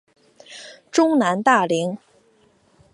中南大羚。